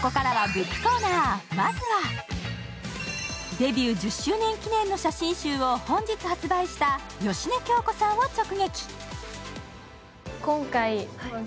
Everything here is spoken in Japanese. デビュー１０周年記念の写真集を本日発売した芳根京子さんを直撃。